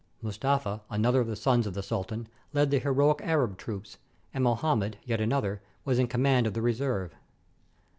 Mus tafa, another of the sons of the sultan, led the heroic Arab troops; and Mohammed, yet another, was in com mand of the reserve.